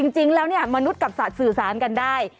จริงแล้วมนุษย์กับสัตว์สื่อสารกันได้